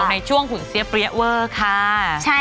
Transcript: ในช่วงหุ่นเสียเปรี้ยเวอร์ค่ะ